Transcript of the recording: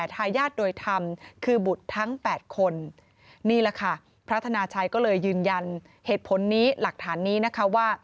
ถัง๘คนนี่แหละค่ะพระธนาชายก็เลยยืนยันเหตุผลนี้หลักฐานนี้นะคะว่า